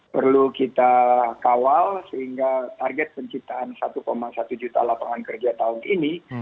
perlu kita kawal sehingga target penciptaan satu satu juta lapangan kerja tahun ini